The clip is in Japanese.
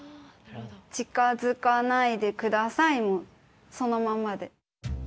「近づかないでください」もそのままで。